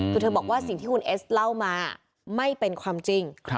คือเธอบอกว่าสิ่งที่คุณเอสเล่ามาไม่เป็นความจริง